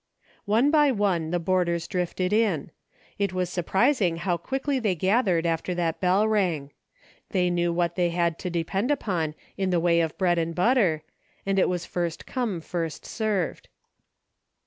One by one the boarders drifted in. It was surprising how quickly they gathered after that bell rang. They knew what they had to de pend upon in the way of bread and butter, and it was first come first served.